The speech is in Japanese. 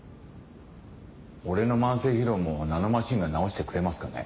俺の慢性疲労もナノマシンが治してくれますかね？